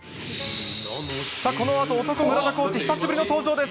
このあと男・村田コーチ、久しぶりの登場です。